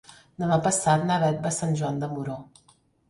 Demà passat na Beth va a Sant Joan de Moró.